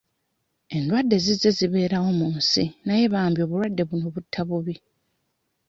Endwadde zizze zibeerawo mu nsi naye bambi obulwadde buno butta bubi.